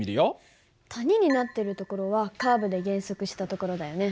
谷になってるところはカーブで減速したところだよね。